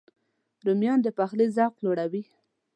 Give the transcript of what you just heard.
رومیان د پخلي ذوق لوړوي